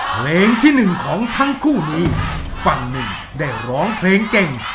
เพลงที่หนึ่งของทั้งคู่นี้ฝั่งหนึ่งได้ร้องเพลงเก่ง